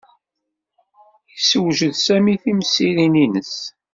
Yessewjed Sami timsirin-nnes.